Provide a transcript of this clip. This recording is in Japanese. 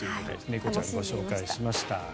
猫ちゃん、ご紹介しました。